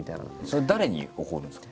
それ誰に怒るんですか？